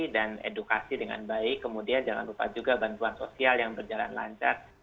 edukasi dengan baik kemudian jangan lupa juga bantuan sosial yang berjalan lancar